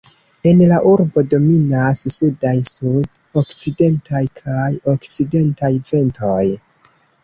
En la urbo dominas sudaj, sud-okcidentaj kaj okcidentaj ventoj.